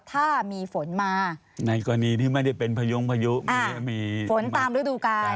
ถ้ามีฝนมาในกรณีที่ไม่ได้เป็นพยงพายุมีฝนตามฤดูกาล